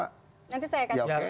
nanti saya kasih